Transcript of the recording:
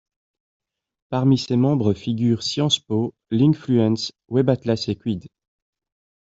Parmi ses membres figurent SciencesPo, Linkfluence, WebAtlas et Quid.